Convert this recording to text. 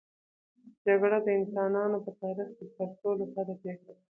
جګړه د انسانانو په تاریخ کې تر ټولو بده پېښه ده.